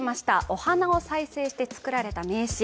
お花を再生して作られた名刺